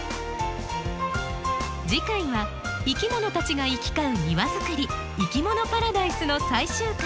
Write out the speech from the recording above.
次回はいきものたちが行き交う庭づくり「いきものパラダイス」の最終回。